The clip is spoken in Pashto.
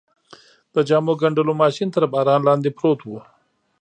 د جامو ګنډلو ماشین تر باران لاندې پروت و.